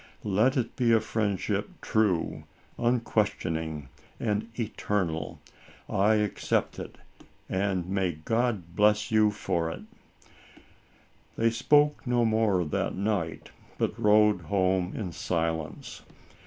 Let it be a friendship true, unques tioning and eternal. I accept it, and may God bless you for it." 74 ALICE ; OR, THE WAGES OF SIN. They spoke no more that night, but *rode home in silence.